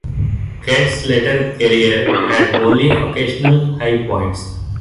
Kert's later career had only occasional high points.